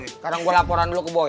sekarang gue laporan dulu ke boy